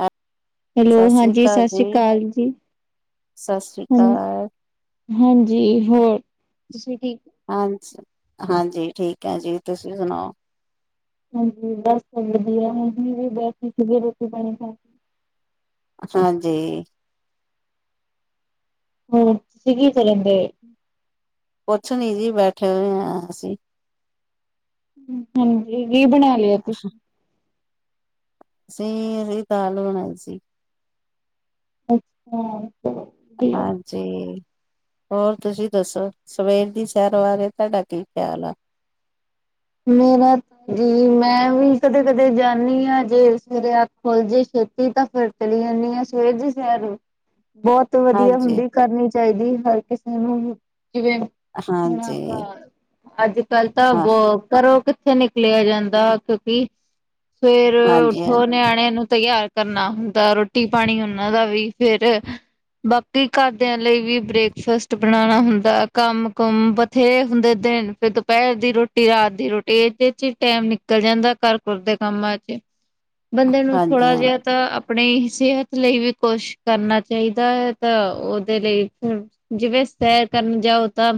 ਹੈ ਹੈਲੋ ਸਤਿ ਸ੍ਰੀ ਹਾਂਜੀ ਅਕਾਲ ਸਤਿ ਸ਼੍ਰੀ ਜੀ, ਅਕਾਲ ਜੀ ਸਤਿ ਸ੍ਰੀ ਹ। ਅਕਾਲ ਹਾਂਜੀ, ਹੋਰ ਤੁਸੀਂ ਠੀਕ? ਹਾਂਜੀ, ਹਾਂਜੀ, ਠੀਕ ਆ ਜੀ ਤੁਸੀਂ ਸੁਣਾਓ? ਹਾਂਜੀ ਬਸ ਵਧੀਆ ਅਸੀ ਵੀ ਬੈਠੇ ਸੀਗੇ ਰੋਟੀ ਪਾਣੀ ਖਾ। ਹਾਂਜੀ ਹਮ ਤੁਸੀਂ ਕੀ ਕਰਨ ਡਏ। ਕੁੱਛ ਨੀ ਜੀ ਬੈਠੇ ਹੋਏ ਆ ਅਸੀਂ। ਹਮ ਹਾਂਜੀ ਕੀ ਬਣਾ ਲਿਆ ਅੱਜ। ਅਸੀਂ ਹਰੀ ਦਾਲ ਬਣਾਈ ਸੀ। ਅੱਛਾ ਵਧੀਆ। ਹਾਂ ਜੀ ਹੋਰ ਤੁਸੀਂ ਦੱਸੋ ਸਵੇਰ ਦੀ ਸੈਰ ਬਾਰੇ ਤੁਹਾਡਾ ਕੀ ਖਿਆਲ ਆ। ਮੇਰਾ ਜੀ ਮੈਂ ਵੀ ਕਦੇ ਕਦੇ ਜਾਂਦੀ ਹਾਂ ਜੇ ਸਵੇਰੇ ਅੱਖ ਖੁੱਲ ਜੇ ਛੇਤੀ ਤਾਂ ਫਿਰ। ਚਲੀ ਜਾਂਦੀ ਹਾਂ ਸਵੇਰ ਜੀ ਸੈਰ ਬਹੁਤ। ਸਭ ਤੋਂ ਵਧੀਆ ਹਾਂਜੀ, ਹੁੰਦੀ ਕਰਨੀ ਚਾਹੀਦੀ ਹਰ ਕਿਸੇ ਨੂੰ ਜਿਵੇਂ। ਹੁਣ ਹਾਂਜੀ ਆਪਾ ਅੱਜ ਕੱਲ ਤਾਂ ਹਾਂ ਬਹੁ। ਘਰੋ ਕਿੱਥੇ ਨਿਕਲਿਆ ਜਾਂਦਾ ਕਿਉਂਕਿ ਸਵੇਰ ਹਾਂਜੀ, ਉੱਠੋ ਹਾਂਜੀ, ਨਿਆਣਿਆਂ ਨੂੰ। ਤਿਆਰ ਕਰਨਾ ਹੁੰਦਾ। ਰੋਟੀ ਪਾਣੀ ਉਹਨਾਂ ਦਾ ਵੀ ਫੇਰ ਬਾਕੀ ਘਰਦਿਆਂ ਲਈ ਵੀ ਬ੍ਰੇਕਫਾਸਟ ਬਣਾਉਣਾ ਹੁੰਦਾ ਕੰਮ ਕੁਮ ਬਥੇਰੇ ਹੁੰਦੇ। ਦਿਨ ਫਿਰ ਦੁਪਹਿਰ ਦੀ ਰੋਟੀ ਰਾਤ ਦੀ ਰੋਟੀ ਇਹਦੇ ਚ ਟੈਮ ਨਿਕਲ ਜਾਂਦਾ ਘਰ ਘੁਰ ਦੇ ਕੰਮਾਂ ਚ। ਬੰਦੇ ਨੂੰ ਹਾਂਜੀ, ਥੋੜਾ ਜਿਹਾ ਹਾਂਜੀ। ਤਾਂ। ਆਪਣੀ ਸਿਹਤ ਲਈ ਵੀ ਕੁਛ ਕਰਨਾ ਚਾਹੀਦਾ ਹੈ ਤਾਂ ਉਹਦੇ ਲਈ ਫਿਰ। ਜਿਵੇਂ ਸੈਰ ਕਰਨ ਜਾਓ, ਤਾਂ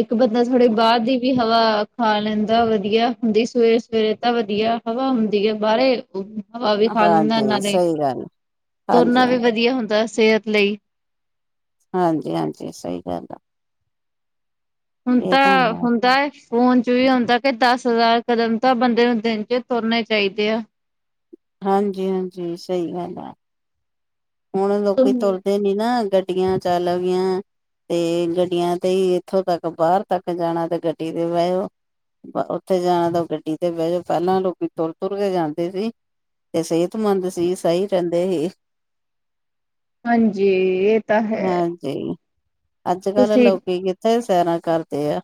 ਇੱਕ ਬੰਦਾ ਥੋੜੇ ਬਾਅਦ ਦੀ ਵੀ ਹਵਾ ਖਾ ਲੈਂਦਾ। ਤਾਂ ਵਧੀਆ ਹੁੰਦੀ, ਸਵੇਰੇ-ਸਵੇਰੇ ਤਾਂ ਵਧੀਆ ਹਵਾ ਹੁੰਦੀ ਹੈ। ਬਾਹਰੇ ਹਵਾ ਵੀ ਖਾ ਲੈਂਦਾ, ਹਾਂਜੀ ਨਾਲੇ ਸਹੀ ਗੱਲ, ਹਾਂਜੀ, ਤੁਰਨਾ ਵੀ ਹਾਂਜੀ, ਵਧੀਆ ਹੁੰਦਾ ਸਿਹਤ ਲਈ। ਹਾਂਜੀ-ਹਾਂਜੀ। ਸਹੀ ਗੱਲ ਆ ਹੁਣ ਇਹ ਤਾਂ ਹੈ, ਹੁੰਦਾ ਐ। ਫੋਨ ਚ ਵੀ ਆਉਂਦਾ, ਕਿ ਦਸ ਹਜ਼ਾਰ ਕਦਮ ਤਾਂ ਬੰਦੇ ਨੂੰ ਦਿਨ ਚ ਤੁਰਨੇ ਚਾਹੀਦੇ ਆ। ਹਾਂਜੀ-ਹਾਂਜੀ। ਸਹੀ ਗੱਲ ਆ। ਹੁਣ ਲੋਕੀ ਤੁਰਦੇ ਨੀ ਨਾਗੱਡੀਆਂ ਚੱਲ ਗੀਆਂ। ਤੇ ਗੱਡੀਆਂ ਤੇ ਹੀ ਇੱਥੋਂ ਤੱਕ ਬਾਹਰ ਤੱਕ ਜਾਣਾ ਤੇ ਗੱਡੀ ਤੇ ਬਹਿਓ। ਉੱਥੇ ਜਾਣਾ ਤਾਂ ਗੱਡੀ ਤੇ ਬਹਿ ਜੋ, ਪਹਿਲਾਂ ਲੋਕੀ ਤੁਰ-ਤੁਰ ਕੇ ਜਾਂਦੇ ਸੀ। ਤੇ ਸਿਹਤਮੰਦ ਸੀ। ਸਹੀ ਰਹਿੰਦੇ ਸੀ। ਹਾਂਜੀ। ਏਏ ਹਾਂਜੀ। ਅੱਜ ਕਲ ਤੁਸੀਂ ਲੋਕੀ ਕਿੱਥੇ ਸੈਰਾਂ ਕਰਦੇ ਆ?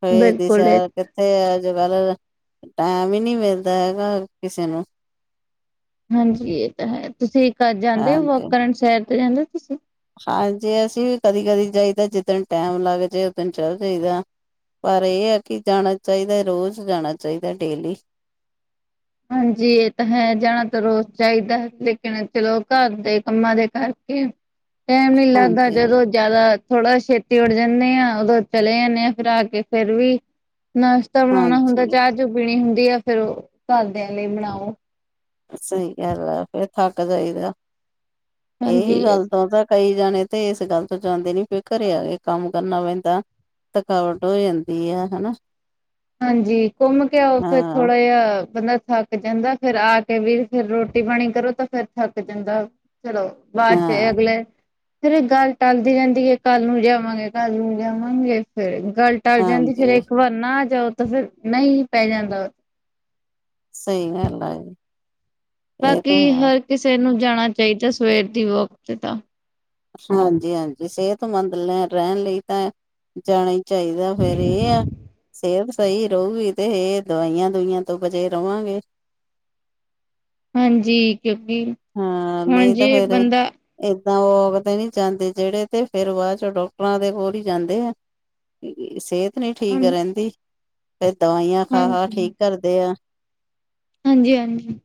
ਸਵੇਰ ਦੀ ਬਿਲਕੁਲ ਸੈਰ ਤੇ ਅੱਜ-ਕੱਲ ਟਾਈਮ ਹੀ ਨਹੀ ਮਿਲਦਾ, ਹੈਗਾ ਕਿਸੇ ਨੂੰ। ਹਾਂਜੀ। ਇਹ ਤਾਂ ਹੈ ਤੁਸੀਂ ਜਾਂਦੇ ਹੋ, ਵੋਕ ਹਾਂਜੀ ਕਰਨ ਸੈਰ ਤੇ ਜਾਂਦੇ ਹੋ ਤੁਸੀਂ? ਹਾਂਜੀ। ਅਸੀਂ ਵੀ ਕਦੀ ਕਦੀ ਜਾਈਦਾ ਜਿੱਦਣ ਟੈਮ ਲੱਗ ਓਦਣ ਚੱਲ ਜਾਈਦਾ ਪਰ ਇਹ ਹੈ ਕਿ ਜਾਣਾ ਚਾਹੀਦਾ ਰੋਜ਼ ਜਾਣਾ ਚਾਹੀਦਾ ਡੇਲੀ ਹਾਂਜੀ। ਇਹ ਤਾਂ ਹੈ ਜਾਣਾ ਤਾਂ ਰੋਜ ਚਾਹੀਦਾ ਲੇਕਿਨ ਚਲੋ ਘਰ ਦੇ ਕੰਮਾਂ ਦੇ ਘਰ ਟਾਈਮ ਨੀ ਲੱਗਦਾ ਹਾਂਜੀ ਜਦੋਂ ਜਿਆਦਾ ਥੋੜਾ ਛੇਤੀ ਉੱਡ ਜਾਂਦੇ ਆਂ। ਉਦੋਂ ਚਲੇ ਜਾਂਣੇ ਹਾਂ, ਫਿਰ ਆ ਕੇ, ਫੇਰ ਵੀ ਨਾਸ਼ਤਾ ਬਣਾਉਣਾ ਹੁੰਦਾ। ਹਾਂਜੀ ਚਾਹ ਚੂ ਪੀਣੀ ਹੁੰਦੀ ਆ, ਫੇਰ ਉਹ ਘਰਦਿਆਂ ਲਈ ਬਣਾਓ। ਸਹੀ ਗੱਲ, ਫੇਰ ਥੱਕ ਜਾਈਦਾ। ਹਾਂਜੀ ਇਹੀ ਇਹ ਗੱਲ ਤੋਂ ਤ ਕਈ ਜਾਣੇ ਤੇ ਇਸ ਗੱਲ ਤੋਂ ਜਾਂਦੇ ਨੀ ਫਿਰ ਘਰੇ ਆ ਕੇ ਕੰਮ ਕਰਨਾ ਪੈਂਦਾ। ਥਕਾਵਟ ਹੋ ਜਾਂਦੀ ਆ ਹਨਾ। ਹਾਂਜੀ। ਘੁੰਮ ਕੇ ਆਓ, ਫਿਰ ਹਾਂ ਥੋੜਾ ਜਿਹਾ ਬੰਦਾ ਥੱਕ ਥੱਕ ਜਾਂਦਾ, ਫੇਰ ਆ ਕੇ ਵੀ ਫਿਰ ਰੋਟੀ-ਪਾਣੀ ਕਰੋ ਤਾਂ ਫੇਰ ਥੱਕ ਜਾਂਦਾ ਚਲੋ। ਬਾਅਦ ਚ ਹਾਂ ਅਗਲੇ ਫੇਰ ਗੱਲ ਟਲਦੀ ਜਾਂਦੀ ਹੈ। ਕੱਲ ਨੂੰ ਜਾਵਾਂਗੇ, ਕੱਲ ਨੂੰ ਜਾਵਾਂਗੇ। ਫੇਰ ਗੱਲ ਟਲ ਜਾਂਦੀ, ਫੇਰ ਹਾਂਜੀ ਇੱਕ ਵਾਰ ਨਾ ਜਾਓ, ਤਾਂ ਫੇਰ ਨਹੀਂ ਪੈ ਜਾਂਦਾ। ਸਹੀ ਗੱਲ। ਇਹ ਬਾਕੀ ਤਾਂ ਹੈ ਹਰ ਕਿਸੇ ਨੂੰ ਜਾਣਾ ਚਾਹੀਦਾ। ਸਵੇਰ ਦੀ ਵੋਕ ਤੇ ਹਾਂਜੀ- ਹਾਂਜੀ। ਸਿਹਤਮੰਦ ਰਹਿਣ ਲਈ ਤਾਂ ਜਾਣਾ ਹੀ ਚਾਹੀਦਾ, ਫੇਰ ਇਹ ਆ ਸਿਹਤ ਸਹੀ ਰਹੂਗੀ ਤੇ ਇਹ ਦਵਾਈਆਂ ਦੁਈਆਂ ਤੋਂ ਬਚੇ ਰਹਾਂਗੇ‌। ਹਾਂਜੀ। ਕਿਉਂਕਿ ਹਾਂ ਹੁਣ ਨਹੀਂ ਤਾਂ ਜੇ ਫੇਰ ਬੰਦਾ ਏਦਾਂ ਉਹ ਵੋਕ ਤੇ ਨੀ ਜਾਂਦੇ, ਜਿਹੜੇ ਤੇ ਫੇਰ ਬਾਅਦ ਚ ਡਾਕਟਰਾਂ ਦੇ ਕੋਲ ਹੀ ਜਾਂਦੇ ਆ‌। ਸਿਹਤ ਨੀ ਠੀਕ ਹਾਂਜੀ ਰਹਿੰਦੀ‌। ਫੇਰ ਦਵਾਈਆਂ ਖਾ- ਖਾ ਹਾਂਜੀ ਠੀਕ ਕਰਦੇ ਆ। ਹਾਂਜੀ-ਹਾਂਜੀ।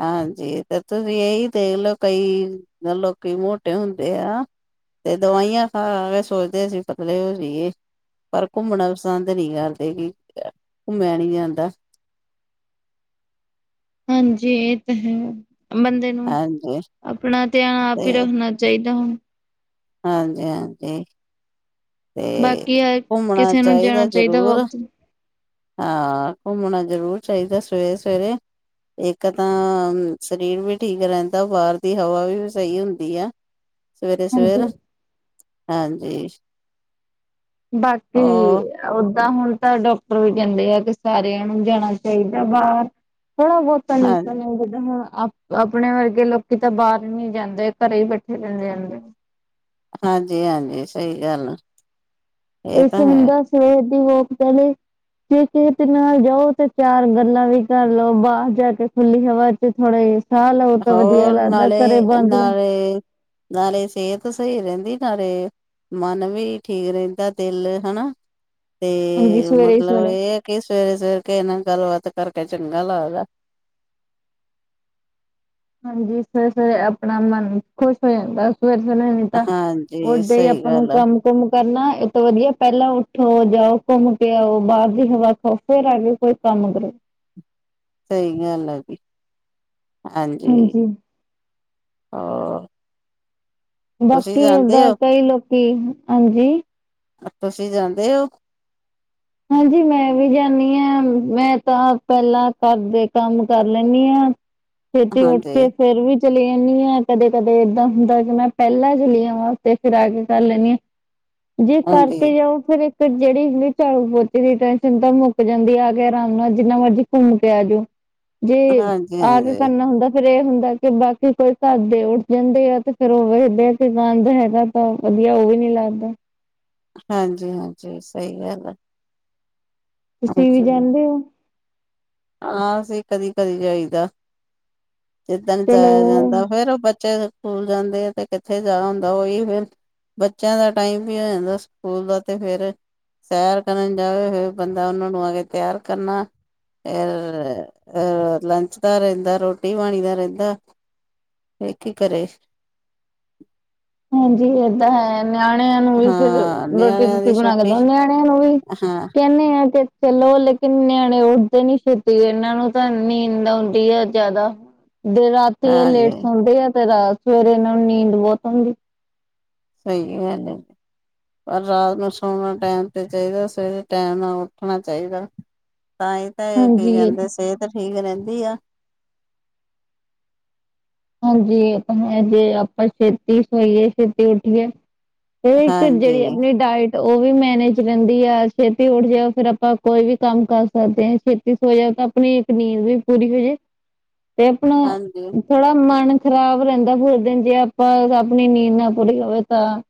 ਹਾਂਜੀ। ਤੇ ਤੁਸੀਂ ਇਹੀ ਦੇਖ ਲਓ, ਕਈ ਲੋਕੀ ਮੋਟੇ ਹੁੰਦੇ ਆ। ਤੇ ਦਵਾਈਆਂ ਖਾ-ਖਾਕੇ ਸੋਚਦੇ ਸੀ, ਪਤਲੇ ਹੋਏ ਜਾਏ। ਪਰ ਘੁੰਮਣਾ ਪਸੰਦ ਨਹੀ ਕਰਦੇ ਕਿ ਘੁੰਮਿਆ ਨੀ ਜਾਂਦਾ। ਹਾਂਜੀ। ਇਹ ਤਾਂ ਹੈ। ਬੰਦੇ ਨੂੰ ਹਾਂਜੀ ਆਪਣਾ ਧਿਆਨ ਆਪ ਹੀ ਰੱਖਣਾ ਚਾਹੀਦਾ‌ ਹੁਣ ਹਾਂਜੀ-ਹਾਂਜੀ। ਤੇ ਬਾਕੀ ਹਰ ਘੁਮਣਾ ਕਿਸੇ ਨੂੰ ਜਾਣਾ ਚਾਹੀਦਾ ਜ਼ਰੂਰ ਵੋਕ ਤੇ ਹਾਂ। ਘੁੰਮਣਾ ਜ਼ਰੂਰ ਚਾਹੀਦਾ। ਸਵੇਰੇ-ਸਵੇਰੇ ਇੱਕ ਤਾਂ ਸਰੀਰ ਵੀ ਠੀਕ ਰਹਿੰਦਾ। ਬਾਹਰ ਦੀ ਹਵਾ ਵੀ ਸਹੀ ਹੁੰਦੀ ਆ। ਹਾਂਜੀ ਸਵੇਰੇ-ਸਵੇਰ। ਹਾਂਜੀ‌। ਬਾਕੀ ਓਦਾਂ ਹੁਣ ਤਾਂ ਡਾਕਟਰ ਵੀ ਕਹਿੰਦੇ ਆ ਕਿ ਸਾਰਿਆਂ ਨੂੰ ਜਾਣਾ ਚਾਹੀਦਾ ਬਾਹਰ। [inaudible] ਹਾਂ ਆਪਣੇ ਵਰਗੇ ਲੋਕੀ ਤਾਂ ਬਾਹਰ ਨੀ ਜਾਂਦੇ, ਘਰੇ ਹੀ ਬੈਠੇ ਰਹਿਦੇ ਐ। ਹਾਂਜੀ- ਹਾਂਜੀ। ਸਹੀ ਗੱਲ। ਇਹ ਇਸ ਤਾਂ ਹੈ ਹੁੰਦਾ ਸਵੇਰ ਦੀ ਵੋਕ ਪਹਿਲੇ ਜੇ ਕਿਸੇ ਤੇ ਨਾਲ ਜਾਓ ਤੇ ਚਾਰ ਗੱਲਾਂ ਵੀ ਕਰ ਲਓ ਬਾਹਰ ਜਾ ਕੇ ਖੁੱਲੀ ਹਵਾ ਤੇ ਥੋੜ੍ਹਾ ਜ ਸ਼ਾਹ ਦੋ ਤਾਂ ਵਧੀਆ ਲਗੱਦਾ ਘਰੇ ਬੰਦ ਹੂੰ। ਨਾਲੇ ਸਿਹਤ ਸਹੀ ਰਹਿੰਦੀ ਨਾਲੇ ਮਨ ਵੀ ਠੀਕ ਰਹਿੰਦਾ ਦਿਲ ਹਨਾ ਹਾਂਜੀ ਤੇ ਸਵੇਰੇ ਹੀ ਮਤਲਬ ਸਵੇਰੇ ਇਹ ਕਿ ਸਵੇਰੇ-ਸਵੇਰ ਕੇ ਤੇਰੇ ਨਾਲ ਗੱਲਬਾਤ ਕਰਕੇ ਚੰਗਾ ਲੱਗਦਾ। ਹਾਂਜੀ, ਸਵੇਰੇ-ਸਵੇਰੇ ਅਪਣਾ ਮਨ ਖੁਸ਼ ਹੋ ਜਾਂਦਾ। ਸਵੇਰੇ-ਸਵੇਰੇ ਨੀ ਤਾਂ ਹਾਂਜੀ ਉੱਠਦੇ ਹੀ ਸਹੀ ਆਪਾਂ ਨੂੰ ਗੱਲ ਆ ਕੰਮ ਘੁੰਮ ਕਰਨਾ ਇਹ ਤੋਂ ਵਧੀਆ ਪਹਿਲਾਂ ਉੱਠੋ ਜਾਓ ਘੁੰਮ ਕੇ ਆਓ ਬਾਹਰ ਦੀ ਹਵਾ ਖਾਓ ਫੇਰ ਆ ਕੇ ਕੋਈ ਕੰਮ ਕਰੋ। ਸਹੀ ਗੱਲ ਹੈ ਜੀ ਹਾਂਜੀ ਹੋਰ ਤੁਸੀਂ ਬਾਕੀ ਜਾਂਦੇ ਓਦਾਂ ਹੋ ਕਈ ਲੋਕੀ ਹਾਂਜੀ ਤੁਸੀਂ ਜਾਂਦੇ ਔ? ਹਾਂਜੀ, ਮੈਂ ਵੀ ਜਾਂਣੀ ਹਾਂ ਮੈਂ ਤਾਂ ਪਹਿਲਾਂ ਘਰ ਦੇ ਕੰਮ ਕਰ ਲੈਂਣੀ ਆ। ਛੇਤੀ ਉੱਠ ਹਾਂਜੀ, ਕੇ ਫਿਰ ਵੀ ਚਲੀ ਜਾਂਣੀ ਹਾਂ, ਕਦੇ-ਕਦੇ ਏਦਾਂ ਹੁੰਦਾ ਕਿ ਮੈਂ ਪਹਿਲਾਂ ਚਲੀ ਆਵਾਂ ਤੇ ਫਿਰ ਆ ਕੇ ਕਰ ਲੈਂਣੀ ਹਾਂ। ਜੇ ਹਾਂਜੀ, ਕਰਕੇ ਜਾਓ ਫੇਰ ਇੱਕ ਜਿਹੜੀ ਝਾੜੂ-ਪੋਚੇ ਦੀ ਟੈਨਸ਼ਨ ਤਾਂ ਮੁੱਕ ਜਾਂਦੀ ਆ ਕੇ ਆਰਾਮ ਨਾਲ ਜਿੰਨਾ ਮਰਜੀੀ ਘੁੰਮ ਕੇ ਆਜੋ। ਜੇ ਆ ਕੇ ਹਾਂਜੀ-ਹਾਂਜੀ, ਕਰਨਾ ਹੁੰਦਾ ਫੇਰ ਇਹ ਹੁੰਦਾ ਕਿ ਬਾਕੀ ਕੋਈ ਘਾਦੇ ਉੱਠ ਜਾਂਦੇ ਆ ਤੇ ਫੇਿਰ ਉਹ ਵੇਖਦੇ ਆ ਕਿ ਗੰਦ ਹੈਗਾ। ਵਧੀਆ ਉਹ ਵੀ ਨੀ ਲੱਗਦਾ। ਹਾਂਜੀ-ਹਾਂਜੀ। ਸਹੀ ਗੱਲ ਆ। ਤੁਸੀਂ ਵੀ ਜਾਂਦੇ ਓ? ਹਾਂਸੀ, ਕਦੀ-ਕਦੀ ਜਾਇਦਾ ਜਿੱਦਣ ਚਲੋ ਜਾਯਾ ਜਾਂਦਾ। ਫੇਰ ਉਹ ਬੱਚੇ ਸਕੂਲ ਜਾਂਦੇ ਆ ਤੇ ਕਿੱਥੇ ਜਾ ਹੁੰਦਾ ਉਹੀ ਫਿਰ ਬੱਚਿਆਂ ਦਾ ਟਾਈਮ ਵੀ ਹੋ ਜਾਂਦਾ ਸਕੂਲ ਦਾ ਤੇ ਫਿਰ ਸੈਰ ਕਰਨ ਜਾਵੇ ਹੋ ਬੰਦਾ ਉਹਨਾਂ ਨੂੰ ਆ ਕੇ ਤਿਆਰ ਕਰਨਾ। ਫੇਰ ਲੰਚ ਦਾ ਰਹਿੰਦਾ ਰੋਟੀ-ਪਾਣੀ ਦਾ ਰਹਿੰਦਾ। ਤੇ ਕੀ ਕਰੇ? ਹਾਂਜੀ ਇਹ ਤਾਂ ਹੈ। ਨਿਆਣਿਆਂ ਨੂੰ ਵੀ ਫਿਰ ਹਾਂ ਨਿਆਣਿਆਂ ਰੋਟੀ-ਰੁਟੀ ਦੀ ਬਣਾ ਕੇ ਛੁੱਟੀ ਦ ਨਿਆਣਿਆਂ ਨੂੰ ਵੀ ਹਾਂ ਕਹਿੰਣੇ ਆ ਕਿ ਚਲੋ ਲੇਕਿਨ ਨਿਆਣੇ ਉੱਡਦੇ ਨੀ ਛੇਤੀ ਇਹਨਾਂ ਨੂੰ ਤਾਂ ਨੀਂਦ ਆਉਂਦੀ ਆ ਜ਼ਿਆਦਾ। ਦੇ ਰਾਤੀ ਇਹ ਹਾਂਜੀ ਲੇਟ ਸੌਦੇ ਆ ਤੇ ਸਵੇਰੇ ਇਹਨਾਂ ਨੂੰ ਨੀਂਦ ਬਹੁਤ ਆਉਂਦੀ। ਸਹੀ ਗੱਲ ਐ। ਪਰ ਰਾਤ ਨੂੰ ਸੋਣਾ ਟੈਮ ਤੇ ਚਾਹੀਦਾ ਸਵੇਰੇ ਟੈਮ ਨਾਲ ਉੱਠਣਾ ਚਾਹੀਦਾ। ਤਾਂ ਹੀ ਤਾਂ ਇਹ ਕੀ ਕਹਿੰਦੇ ਸਿਹਤ ਠੀਕ ਰਹਿੰਦੀ ਐ। ਹਾਂਜੀ, ਆਪਾਂ ਜੇ ਆਪਾਂ ਛੇਤੀ ਸੋਇਏ ਛੇਤੀ ਉੱਠੀਏ। ਇਹ ਇੱਕ ਹਾਂਜੀ ਜਿਹੜੀ ਆਪਣੀ ਡਾਇਟ ਉਹ ਵੀ ਮੈਨੇਜ ਰਹਿੰਦੀ ਆ ਛੇਤੀ ਉੱਠ ਜਾਓ ਫਿਰ ਆਪਾਂ ਕੋਈ ਵੀ ਕੰਮ ਕਰ ਸਕਦੇ ਹਾਂ ਛੇਤੀ ਸੋਜਾ ਤਾਂ ਆਪਣੀ ਇੱਕ ਨੀਂਦ ਵੀ ਪੂਰੀ ਹੋ ਜੇ ਤੇ ਆਪਣਾ। ਹਾਂਜੀ। ਥੋੜਾ ਮਨ ਖ਼ਰਾਬ ਰਹਿੰਦਾ ਫ ਦਿਨ ਜੇ ਆਪਾਂ ਆਪਣੀ ਨੀਂਦ ਨਾ ਪੂਰੀ ਹੋਵੇ ਤਾਂ।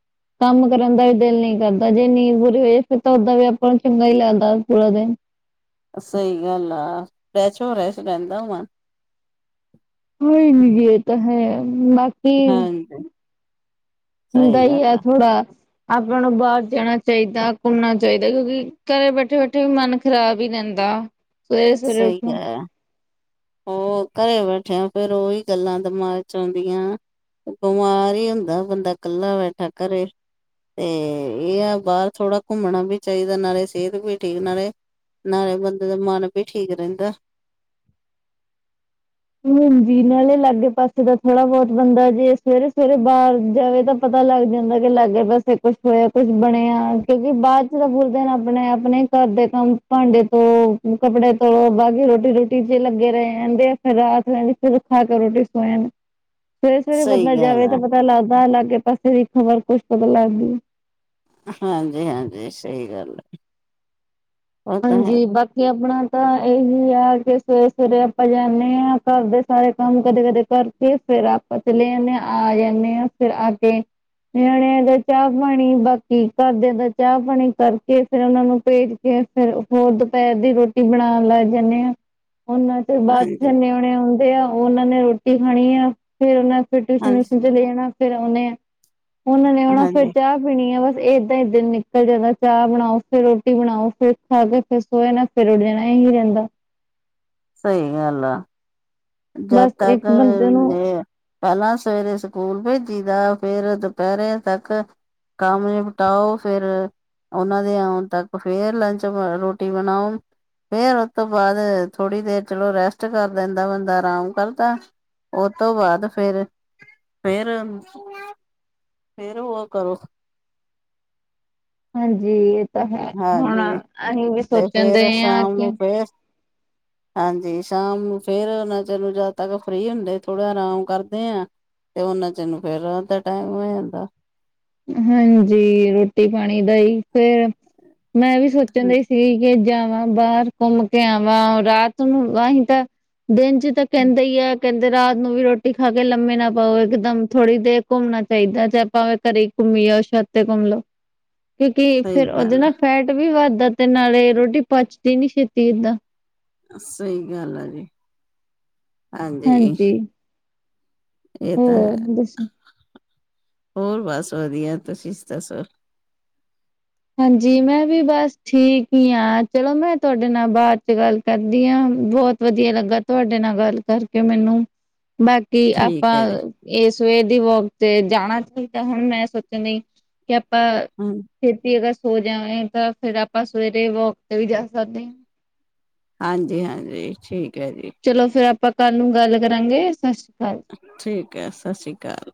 ਕੰਮ ਕਰਨ ਦਾ ਵੀ ਦਿਲ ਨਹੀਂ ਕਰਦਾ ਜੇ ਨੀਂਦ ਪੂਰੀ ਹੋ ਜਾ ਫਿਰ ਤਾਂ ਓਦਾਂ ਵੀ ਆਪਾਂ ਨੂੰ ਚੰਗਾ ਹੀ ਲੱਗਦਾ ਪੂਰਾ ਦਿਨ ਸਹੀ ਗੱਲ ਆ ਫਰੈਸ਼ ਹੋਰੈਸ਼ ਰਹਿੰਦਾ ਵਾ। ਹੋਈ ਬੀਜੀ ਇਹ ਤਾਂ ਹੈ ਮੈਂ। ਕੀ ਹਾਂਜੀ ਹੁੰਦਾ ਸਹੀ ਹੀ ਗੱਲ ਆ ਥੋੜਾ। ਆਪਾਂ ਨੂੰ ਬਾਹਰ ਜਾਣਾ ਚਾਹੀਦਾ ਘੁੰਮਣਾ ਚਾਹੀਦਾ। ਕਿਉਂਕਿ ਘਰੇ ਬੈਠੇ-ਬੈਠੇ ਵੀ ਮਨ ਖ਼ਰਾਬ ਹੀ ਰਹਿੰਦਾ। ਸਵੇਰੇ ਸਵੇਰੇ ਸਹੀ ਉੱਠੋ ਗੱਲ ਔ। ਉਹ ਘਰੇ ਬੈਠਿਆ ਫੇਰ ਉਹੀ ਗੱਲਾਂ ਦਿਮਾਗ 'ਚ ਆਦੀਆਂ। ਬਿਮਾਰ ਹੀ ਹੁੰਦਾ ਬੰਦਾ ਕੱਲਾ ਬੈਠਾ ਘੱਰੇ। ਤੇ ਇਹ ਆ ਬਾਹਰ ਥੋੜ੍ਹਾ ਘੁੰਮਣਾ ਵੀ ਚਾਹੀਦਾ ਨਾਲੇ ਸਿਹਤ ਵੀ ਠੀਕ ਨਾਲੇ ਨਾਲੇ ਬੰਦੇ ਦਾ ਮਨ ਵੀ ਠੀਕ ਰਹਿੰਦਾ ਹੈ। ਹਾਂਜੀ। ਨਾਲੇ ਲਾਗੇ ਪਾਸੇ ਦਾ ਥੋੜਾ ਬਹੁਤ ਬੰਦਾ ਜੇ ਸਵੇਰੇ- ਸਵੇਰੇ ਬਾਹਰ ਜਾਵੇ ਤਾਂ। ਪਤਾ ਲੱਗ ਜਾਂਦਾ ਕਿ ਲਾਗੇ ਪਾਸੇ ਕੁਛ ਹੋਇਆ, ਕੁਛ ਬਣਿਆ। ਕਿਉਂਕਿ ਬਾਅਦ 'ਚ ਤਾਂ ਬੋਲਦੇ ਨੇ ਆਪਣੇ- ਆਪਣੇ ਘਰ ਦੇ ਕੰਮ ਭਾਂਡੇ ਧੋਣ, ਕੱਪੜੇ ਧੋ ਬਾਅਦ 'ਚ ਰੋਟੀ- ਰੋਟੀ ਤੇ ਲੱਗੇ ਰਹੇ ਜਾਂਦੇ ਆ। ਫਿਰ ਰਾਤ ਰਹਿੰਦੀ ਫਿਰ ਖਾ ਕੇ ਰੋਟੀ ਸੌ ਜਾਣਾ। ਸਵੇਰੇ -ਸਵੇਰੇ ਬੰਦਾ ਸਹੀ ਗੱਲ ਜਾਵੇ ਆ ਤਾਂ। ਪਤਾ ਲੱਗਦਾ ਆ ਲਾਗੇ, ਪਾਸੇ ਦੀ ਖਬਰ ਕੁੱਛ ਪਤਾ ਲੱਗਦੀ ਹੈ। ਹਾਂਜੀ- ਹਾਂਜੀ। ਸਹੀ ਗੱਲ ਹੈ। ਉਹ ਤਾਂ ਹੈ ਹਾਂਜੀ। ਬਾਕੀ ਆਪਣਾ ਤਾਂ ਇਹੀ ਆ ਕਿ ਸਵੇਰੇ -ਸਵੇਰੇ ਆਪਾਂ ਜਾਂਦੇ ਹਾਂ। ਘਰਦੇ ਸਾਰੇ ਕੰਮ ਕਦੇ- ਕਦੇ ਕਰਕੇ ਫਿਰ ਆਪਾਂ। ਪਤਲੇ ਆ ਜਾਣੇ ਹਾਂ। ਫਿਰ ਆ ਕੇ ਨਿਆਣਿਆਂ ਦਾ ਚਾਹ ਪਾਣੀ ਬਾਕੀ, ਘਰਦਿਆਂ ਦਾ ਚਾਹ ਪਾਣੀ ਕਰਕੇ ਫਿਰ ਉਹਨਾਂ ਨੂੰ ਭੇਜ ਕੇ ਫੇਰ ਹੋਰ ਦੁਪਹਿਰ ਦੀ ਰੋਟੀ ਬਣਾਉਣ ਲੱਗ ਜਾਂਦੇ ਹਾਂ। ਉਹਨਾਂ ਤੇਰ ਬਾਅਦ ਹਾਂਜੀ ਜਾਂਦੇ। ਣੇ ਆਉਂਦੇ ਆ। ਉਹਨਾਂ ਨੇ ਰੋਟੀ ਖਾਣੀ ਆ। ਫੇਰ ਉਹ ਫਿਰ ਟਿਊਸ਼ਨ- ਹਾਂਜੀ ਵਊਸ਼ਨ। ਲੈਣਾ। ਫਿਰ ਉਹਨੇ ਉਹਨਾਂ ਨੇ ਆਉਣਾ ਫਿਰ ਹਾਂਜੀ ਚ'। ਪੀਣੀ ਆ ਬਸ ਏਦਾਂ ਦਿਨ ਨਿਕਲ ਜਾਂਦਾ ਚਾਹ ਬਣਾਓ। ਫਿਰ ਰੋਟੀ ਬਣਾਓ। ਫਿਰ ਖਾ ਕੇ ਫਿਰ ਸੌਏ ਨਾਲ ਫੇਰ ਉੱਠ ਜਾਣਾ ਨਹੀਂ ਰਹਿੰਦਾ। ਸਹੀ ਗੱਲ ਆ। ਜਦ ਬਸ ਤੱਕ ਇੱਕ ਬੰਦੇ ਨੂੰ ਇਹ ਪਹਿਲਾਂ ਸਵੇਰੇ ਸਕੂਲ ਭੇਜੀ ਦਾ ਫੇਰ ਦੁਪਹਿਰੇ ਤੱਕ। ਕੰਮ ਨਪਟਾਓ ਫੇਰ। ਉਹਨਾਂ ਦੇ ਆਉਣ ਤੱਕ ਫੇਰ ਲੰਚ ਰੋਟੀ ਬਣਾਓ। ਫੇਰ ਉਸ ਤੋਂ ਬਾਅਦ ਥੋੜੀ ਦੇਰ ਚਲੋ ਰੈਸਟ ਕਰ ਲੈਂਦਾ ਬੰਦਾ। ਆਰਾਮ ਕਰਦਾ। ਉਹ ਤੋਂ ਬਾਅਦ ਫੇਰ- ਫੇਰ। ਫੇਰ ਉਹ ਕਰੋ। ਹਾਂਜੀ। ਇਹ ਤਾਂ ਹੈ। ਹੁਣ, ਹਾਂਜੀ ਅਸੀਂ ਵੀ ਤੇ ਸੋਚਣ ਦੇ ਫੇਰ ਹਾਂ। ਆ ਸ਼ਾਮ ਕਿ ਨੂੰ ਫੇਰ [inaudible] ਹਾਂਜੀ। ਸ਼ਾਮ ਨੂੰ ਫੇਰ ਨਾ ਉਹਨਾਂ ਚਲ ਜਦ ਤੱਕ ਫਰੀ ਹੁੰਦੇ ਥੋੜਾ ਆਰਾਮ ਕਰਦੇ ਆ। ਤੇ ਉਹਨਾਂ ਚਿਰ ਨੂੰ ਫੇਰ ਰਾਤ ਦਾ ਟਾਈਮ ਹੋ ਜਾਂਦਾ ਹੈ। ਹਾਂਜੀ। ਰੋਟੀ -ਪਾਣੀ ਦਾ ਹੀ ਫੇਰ ਮੈਂ ਵੀ ਸੋਚਣ ਦਾ ਸੀ। ਕੇ ਜਾਵਾਂ, ਬਾਹਰ ਘੁੰਮ ਕੇ ਆਵਾਂ। ਰਾਤ ਨੂੰ ਅਸੀ ਤਾਂ। ਦਿਨ 'ਚ ਤਾਂ ਕਹਿੰਦਾ ਹੀ ਆ। ਕਹਿੰਦੇ ਰਾਤ ਨੂੰ ਵੀ ਰੋਟੀ ਖਾ ਕੇ ਲੰਮੇ ਨਾ ਪਾਓ ਇੱਕਦਮ ਥੋੜ੍ਹੀ ਦੇਰ ਘੁੰਮਣਾ ਚਾਹੀਦਾ ਜੇ ਆਪਾਂ ਵੀ ਘਰੇ। ਘੁੰਮੀ ਜਾਉ ਜਾਂ ਛੱਤ ਤੇ ਘੁੰਮ ਲਓ। ਕਿਉਂਕਿ ਸਹੀ ਫੇਰ ਉਹਦੇ ਗੱਲ ਆ ਨਾ ਫੈਟ ਵੇਟ ਵੀ ਵੱਧਦਾ ਤੇ ਨਾਲੇ ਰੋਟੀ ਪਚਦੀ ਨੀ ਛੇਤੀ ਏਦਾਂ। ਸਹੀ ਗੱਲ ਆ ਜੀ। ਹਾਂਜੀ। ਇਹ ਤਾਂ ਹੈ। ਹੋਰ ਦੱਸੋ? ਹੋਰ ਬਸ ਵਧੀਆ। ਤੁਸੀਂ ਦੱਸੋ? ਹਾਂਜੀ। ਮੈਂ ਵੀ ਬਸ ਠੀਕ ਹੀ ਹਾਂ। ਚਲੋ ਮੈਂ ਤੁਹਾਡੇ ਨਾਲ ਬਾਅਦ 'ਚ ਗੱਲ ਕਰਦੀ ਹਾਂ। ਬਹੁਤ ਵਧੀਆ ਲੱਗਾ ਤੁਹਾਡੇ ਨਾਲ ਗੱਲ ਕਰਕੇ ਮੈਨੂੰ। ਬਾਕੀ ਆਪਾਂ। ਠੀਕ ਹੈ ਜੀ ਇਹ ਸਵੇਰ ਦੀ ਵੋਕ ਤੇ ਜਾਣਾ ਚਾਹੀਦਾ ਹੈ। ਹੁਣ ਮੈਂ ਸੋਚਣ ਲਈ ਕਿ ਆਪਾਂ। ਹੂੰ। ਅਸੀਂ ਅਗਰ ਸੌ ਜਾਵੇਗਾ ਤਾਂ ਫੇਰ ਆਪਾਂ ਸਵੇਰੇ ਵੋਕ ਤੇ ਵੀ ਜਾ ਸਕਦੇ ਹਾਂ। ਹਾਂਜੀ -ਹਾਂਜੀ ਠੀਕ ਹੈ ਜੀ। ਚਲੋ ਫੇਰ ਆਪਾਂ ਕੱਲ੍ਹ ਨੂੰ ਗੱਲ ਕਰਾਂਗੇ। ਸਤਿ ਸ਼੍ਰੀ ਅਕਾਲ। ਠੀਕ ਹੈ। ਸਤਿ ਸ਼੍ਰੀ ਅਕਾਲ।